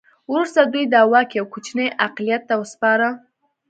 وروسته دوی دا واک یو کوچني اقلیت ته وسپاره.